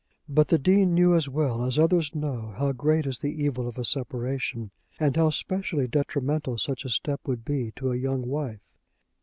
But the Dean knew as well as others know how great is the evil of a separation, and how specially detrimental such a step would be to a young wife.